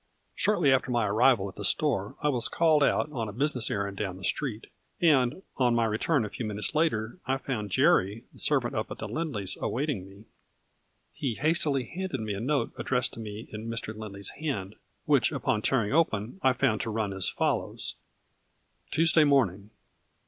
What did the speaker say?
Shortly after my arrival at the store I was called out on a busi ness errand down the street, and, on my return a few minutes later, I found Jerry, the servant up at the Lindley's, awaiting me. He hastily handed me a note addressed to me in Mr. Lindley's hand, which upon tearing open, I found to run as follows : Tuesday morning.